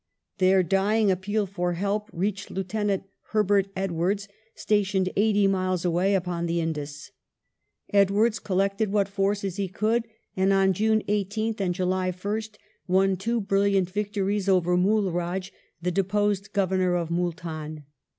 Their dying appeal for help reached Lieu tenant Herbert Edwardes, stationed eighty miles away upon the Indus. Edwardes collected what forces he could, and on June 18th and July 1st won two brilliant victories over Mulraj, the deposed Governor of Multan.